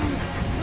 あ！